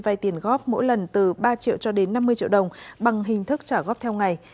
vay tiền góp mỗi lần từ ba triệu cho đến năm mươi triệu đồng bằng hình thức trả góp theo ngày